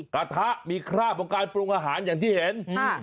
กระทะมีคราบของการปรุงอาหารอย่างที่เห็น